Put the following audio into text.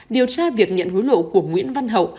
điều tra việc nhận hối lộ của nguyễn văn hậu